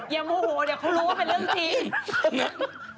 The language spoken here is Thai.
อย่าโมโหเดี๋ยวเขารู้ว่าเป็นเรื่องจริง